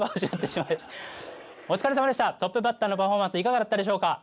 トップバッターのパフォーマンスいかがだったでしょうか？